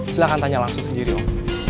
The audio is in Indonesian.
silahkan tanya langsung sendiri om